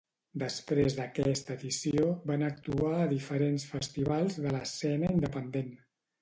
Després d'aquesta edició van actuar a diferents festivals de l'escena independent.